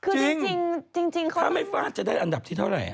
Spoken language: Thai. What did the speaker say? จริงเขาต้องถ้าไม่ฟาดจะได้อันดับที่เท่าไหร่